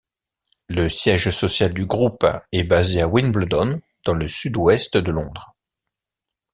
Le siège social du groupe est basé à Wimbledon, dans le sud-ouest de Londres.